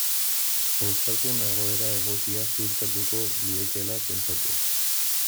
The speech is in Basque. Osasun egoera egokia ziurtatuko liekeela pentsatuz.